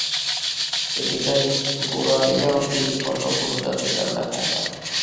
এ বিধায় গোঁড়া য়াহুদী অন্য কোন জাতির রান্না খায় না।